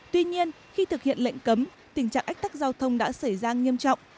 tuy nhiên khi thực hiện lệnh cấm tình trạng ách tắc giao thông đã xảy ra nghiêm trọng